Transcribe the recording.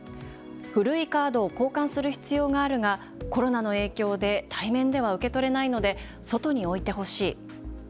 古いカードを交換する必要があるが、コロナの影響で対面では受け取れないので外に置いてほしい。